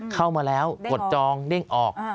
เข้ามาแล้วกดจองเด้งออก